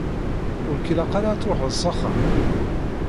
Ur k-ilaq ara ad truḥeḍ s axxam?